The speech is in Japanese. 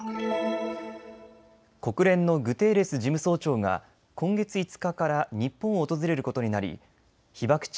国連のグテーレス事務総長が今月５日から日本を訪れることになり被爆地・